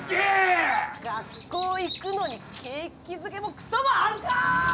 学校行くのに景気づけもクソもあるかぁ！